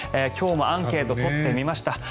今日もアンケートを取ってみました。